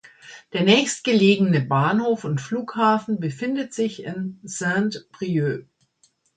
Der nächstgelegene Bahnhof und Flughafen befindet sich in Saint-Brieuc.